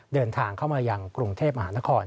เดินทางเข้ามายังกรุงเทพมหานคร